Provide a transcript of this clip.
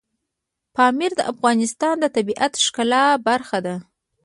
پامیر د افغانستان د طبیعت د ښکلا برخه ده.